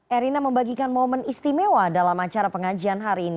erina membagikan momen istimewa dalam acara pengajian hari ini